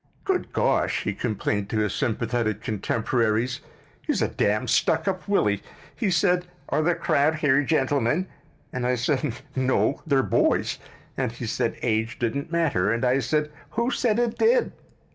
"Good gosh!" he complained to his sympathetic contemporaries, "he's a damn stuck up Willie. He said, 'Are the crowd here gentlemen?' and I said, 'No, they're boys,' and he said age didn't matter, and I said, 'Who said it did?'